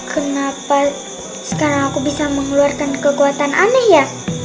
kenapa sekarang aku bisa mengeluarkan kekuatan aneh ya